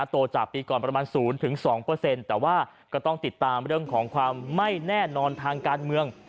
จากปีก่อนประมาณ๐๒แต่ว่าก็ต้องติดตามเรื่องของความไม่แน่นอนทางการเมือง